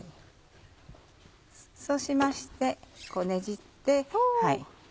そうしましてこうねじって。